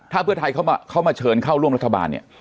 ถ้าเพื่อไทยเขามาเชิญเข้าร่วมรัฐบาลเนี่ย